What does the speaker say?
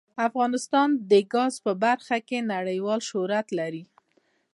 افغانستان د ګاز په برخه کې نړیوال شهرت لري.